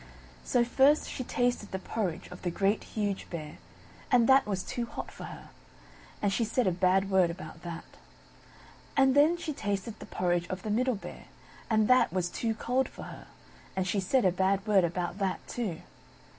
So first she tasted the porridge of the Great, Huge Bear, and that was too hot for her; and she said a bad word about that. And then she tasted the porridge of the Middle Bear, and that was too cold for her; and she said a bad word about that too.